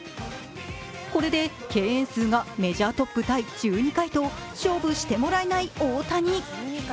これで敬遠数がメジャートップタイ１２回と勝負してもらえない大谷。